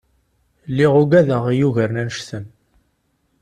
Lliɣ ugadeɣ i yugaren annect-en.